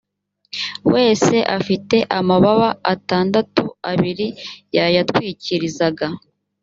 wese afite amababa atandatu abiri yayatwikirizaga